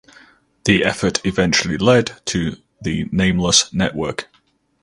The effort eventually led to the Nameless Network.